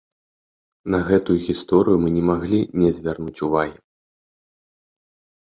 На гэтую гісторыю мы не маглі не звярнуць увагі.